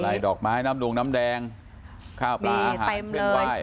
หลายดอกไม้น้ำดวงน้ำแดงข้าวปลาอาหารเทมด้วย